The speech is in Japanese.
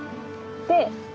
で。